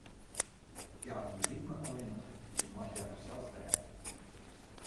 Hja wie lykme-allinnich, dus moast hja harsels rêde.